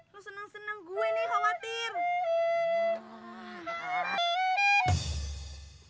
lo seneng seneng gue nih khawatir